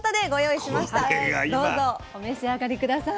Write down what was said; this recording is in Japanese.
どうぞお召し上がり下さい。